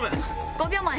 ５秒前！